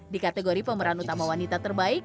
di kategori pemeran utama wanita terbaik